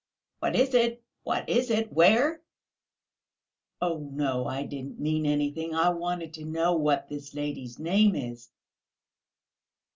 "What is it, what is it? Where?" "Oh, no, I didn't mean anything ... I wanted to know what this lady's name is."